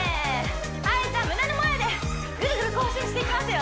はいじゃあ胸の前でぐるぐる行進していきますよ